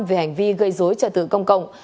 về hành vi gây dối trả tử công cộng